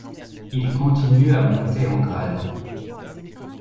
Il continue à monter en grade.